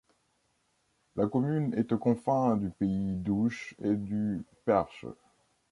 La commune est aux confins du pays d'Ouche et du Perche.